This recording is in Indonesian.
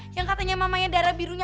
yang katanya mamanya darah birunya